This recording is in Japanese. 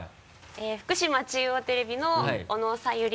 福島中央テレビの小野紗由